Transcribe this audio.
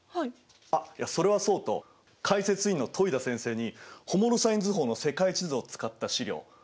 あっいやそれはそうと解説委員の戸井田先生にホモロサイン図法の世界地図を使った資料褒めていただきました！